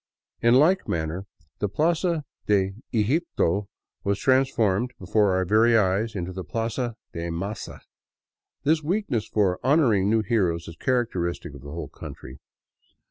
In like manner the Plaza de Eglpto was transformed before our very eyes into the Plaza de Maza. This weakness for honoring new heroes is characteristic of the whole country.